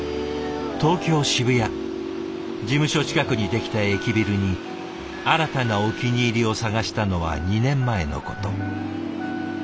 事務所近くにできた駅ビルに新たなお気に入りを探したのは２年前のこと。